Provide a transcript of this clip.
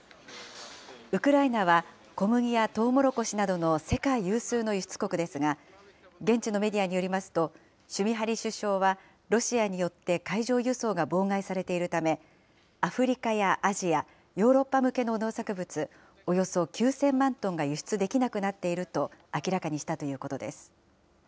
ウクライナは小麦やトウモロコシなどの世界有数の輸出国ですが、現地のメディアによりますと、シュミハリ首相は、ロシアによって海上輸送が妨害されているため、アフリカやアジア、ヨーロッパ向けの農作物およそ９０００万トンが輸出できなくなっていると明らかにしたということです。